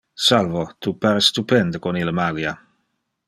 Salvo, tu pare stupende con ille malia.